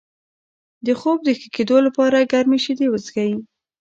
د خوب د ښه کیدو لپاره ګرمې شیدې وڅښئ